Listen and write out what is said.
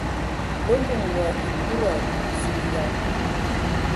Mə lum wa ekuda ! Zulǝyan!